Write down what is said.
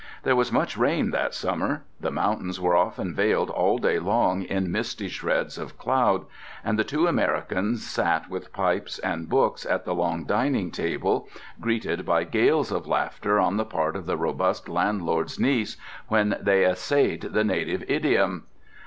There was much rain that summer; the mountains were often veiled all day long in misty shreds of cloud, and the two Americans sat with pipes and books at the long dining table, greeted by gales of laughter on the part of the robust landlord's niece when they essayed the native idiom.